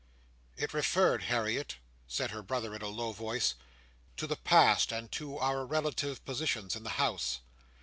"It referred, Harriet," said her brother in a low voice, "to the past, and to our relative positions in the House."